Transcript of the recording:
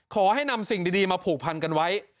ขอให้นำสิ่งดีมาผูกพันกันไว้